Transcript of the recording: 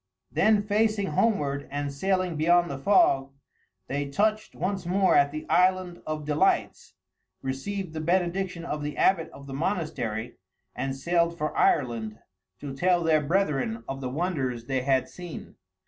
Then, facing homeward and sailing beyond the fog, they touched once more at The Island of Delights, received the benediction of the abbot of the monastery, and sailed for Ireland to tell their brethren of the wonders they had seen.